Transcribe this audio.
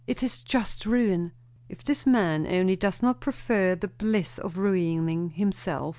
it is just ruin." "If this man only does not prefer the bliss of ruining himself!"